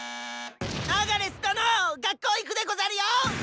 アガレス殿！学校行くでござるよ！